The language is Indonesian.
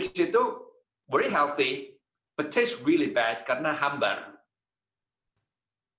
setiap produk memiliki posisi produk yang berbeda